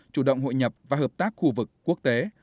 chủ động hội nhập và hợp tác khu vực quốc tế